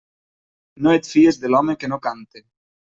No et fies d'home que no cante.